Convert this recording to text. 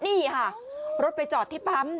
นี่ค่ะรถไปจอดที่ปั๊ม